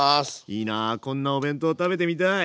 いいなこんなお弁当食べてみたい！